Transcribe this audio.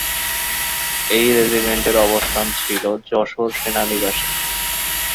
এই রেজিমেন্টের অবস্থান ছিল যশোর সেনানিবাসে।